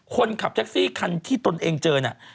คนขับแท็กซี่คันที่ตนเองเจอน่ะ